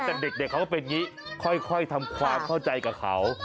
แต่เด็กเขาก็เป็นอย่างนี้ค่อยทำความเข้าใจกับเขา